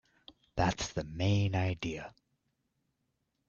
That's the main idea.